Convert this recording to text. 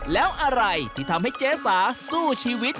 แล้วอะไรที่ทำให้เจ๊สาสู้ชีวิต